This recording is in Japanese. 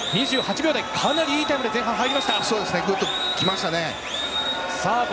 かなりいいタイムで前半入りました。